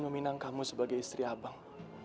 meminang kamu sebagai istri abang